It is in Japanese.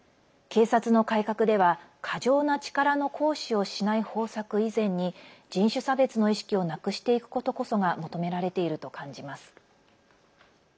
警察の改革では、過剰な力の行使をしない方策以前に人種差別の意識をなくしていくことこそが求められていると感じます。